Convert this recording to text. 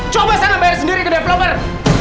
coba saya nambahin sendiri ke developer